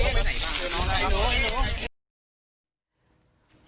พี่มุ่งบอกพี่มุ่ง